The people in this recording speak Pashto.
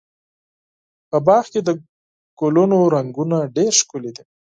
په باغ کې د ګلونو رنګونه ډېر ښکلي دي.